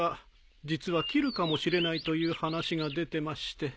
実は切るかもしれないという話が出てまして。